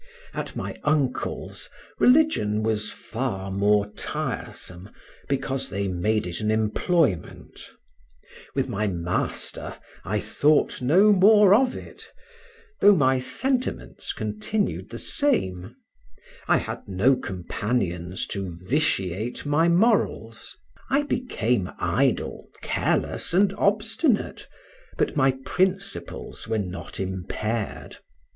At my uncle's, religion was far more tiresome, because they made it an employment; with my master I thought no more of it, though my sentiments continued the same: I had no companions to vitiate my morals: I became idle, careless, and obstinate, but my principles were not impaired.